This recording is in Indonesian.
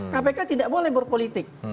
kpk tidak boleh berpolitik